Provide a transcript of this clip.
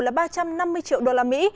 là ba trăm năm mươi triệu đô la mỹ